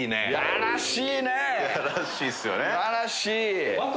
やらしいっすよね。